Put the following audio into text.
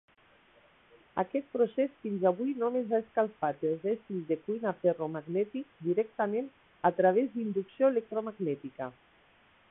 Aquest procés fins avui només ha escalfat els estris de cuina ferromagnètics directament a través d'inducció electromagnètica.